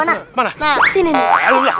dan apakah kamu tetap menjadi alah tuhan